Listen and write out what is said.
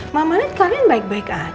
mama lihat kalian baik baik aja